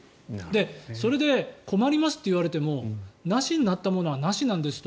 それで、困りますって言われてもなしになったものはなしなんですと。